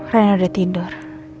raina udah tidur